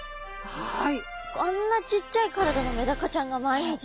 はい。